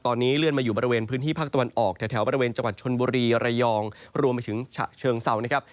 ตอนนี้เลื่อนมาอยู่บริเวณพื้นที่ภาคตะวันออกแถวบริเวณจังหวัดชนบุรีระยองรวมไปถึงฉะเชิงเซานะครับ